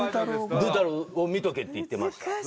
ブー太郎を見とけって言ってました。